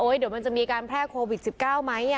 โอ๊ยเดี๋ยวมันจะมีการแพร่โควิดสิบเก้าไหมอ่ะ